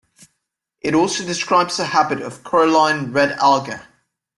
It also describes a habit of coralline red alga.